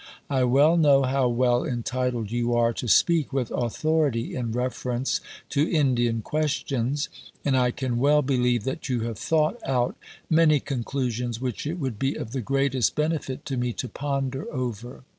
I well know how well entitled you are to speak with authority in reference to Indian questions, and I can well believe that you have thought out many conclusions which it would be of the greatest benefit to me to ponder over.